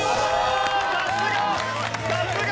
さすが！